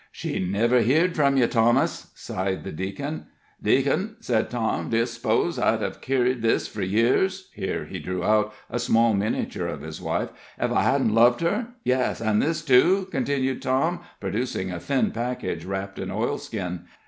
"She never heerd from you, Thomas," sighed the deacon. "Deac'n," said Tom, "do you s'pose I'd hev kerried this for years" here he drew out a small miniature of his wife "ef I hadn't loved her? Yes, an' this too," continued Tom, producing a thin package, wrapped in oilskin.